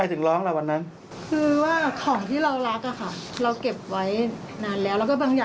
บ้านเราอยู่ของเราเฉยแล้ว